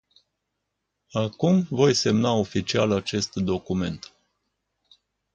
Acum voi semna oficial acest document.